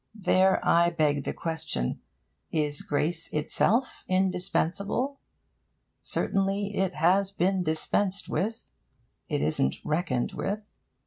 There I beg the question. Is grace itself indispensable? Certainly, it has been dispensed with. It isn't reckoned with.